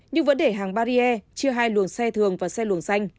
nhưng vẫn để hàng barrier chia hai luồng xe thường và xe luồng xanh